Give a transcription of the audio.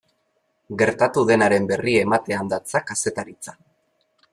Gertatu denaren berri ematean datza kazetaritza.